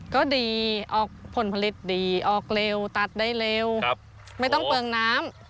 ก็ดีออกผลผลิตดีออกเร็วตัดได้เร็วไม่ต้องเปลืองน้ำ